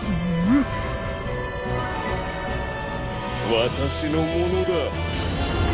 わたしのものだ。